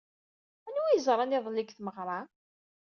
Anwa ay ẓran iḍelli deg tmeɣra?